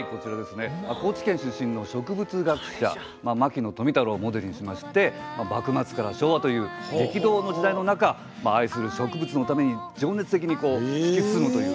高知県出身の植物学者牧野富太郎をモデルにしまして幕末から昭和という激動の時代の中愛する植物のために情熱的に突き進むという。